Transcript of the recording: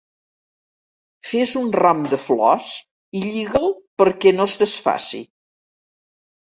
Fes un ram de flors i lliga'l perquè no es desfaci.